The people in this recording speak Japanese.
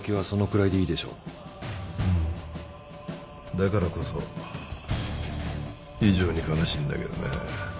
だからこそ非常に悲しいんだけどね。